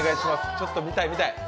ちょっと見たい、見たい。